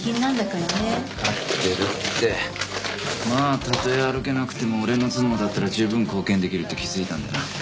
まあたとえ歩けなくても俺の頭脳だったら十分貢献できるって気づいたんでな。